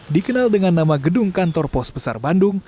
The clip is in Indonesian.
dikenal dengan nama gedung kantor pos besar bandung